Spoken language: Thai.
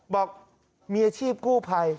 บอกมีอาชีพกู้ภัย